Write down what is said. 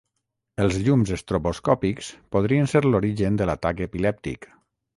Els llums estroboscòpics podrien ser l'origen de l'atac epilèptic.